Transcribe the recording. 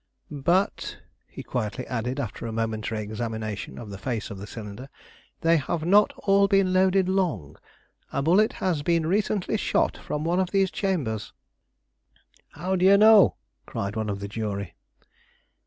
"But," he quietly added after a momentary examination of the face of the cylinder, "they have not all been loaded long. A bullet has been recently shot from one of these chambers." "How do you know?" cried one of the jury.